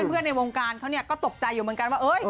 ในวงการเขาก็ตกใจอยู่เหมือนกันว่า